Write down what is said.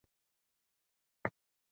مونږ باید هره ورځ نوي څه زده کړو